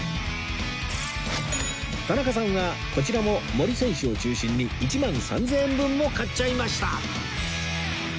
田中さんはこちらも森選手を中心に１万３０００円分も買っちゃいました